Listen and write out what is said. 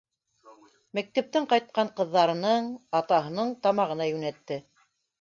Мәктәптән ҡайтҡан ҡыҙҙарының, атаһының тамағына йүнәтте.